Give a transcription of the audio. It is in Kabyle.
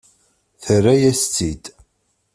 Terra-yas-tt-id.